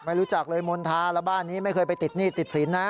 ไม่รู้จักเลยมณฑาแล้วบ้านนี้ไม่เคยไปติดหนี้ติดสินนะ